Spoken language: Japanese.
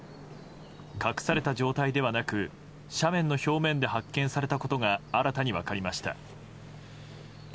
隠された状態ではなく斜面の表面で発見されたことが新たに分かりました。